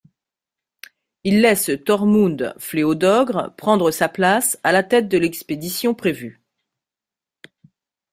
Il laisse Tormund Fléau-d'ogres prendre sa place à la tête de l'expédition prévue.